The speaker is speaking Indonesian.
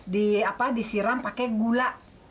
di apa disiram pakai gula